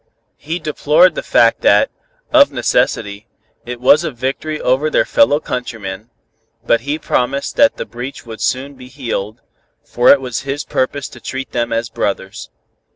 He deplored the fact that, of necessity, it was a victory over their fellow countrymen, but he promised that the breach would soon be healed, for it was his purpose to treat them as brothers.